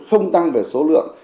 không tăng về số lượng